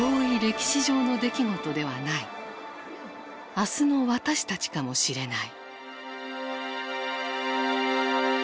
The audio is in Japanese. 明日の私たちかもしれない。